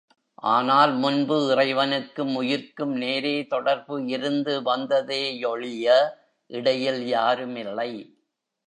ஆனால் முன்பு இறைவனுக்கும் உயிர்க்கும் நேரே தொடர்பு இருந்து வந்ததேயொழிய இடையில் யாருமில்லை.